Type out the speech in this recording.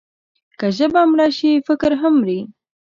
که ژبه مړه شي، فکر هم مري.